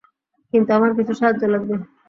কিন্তু আমার কিছু সাহায্য লাগবে।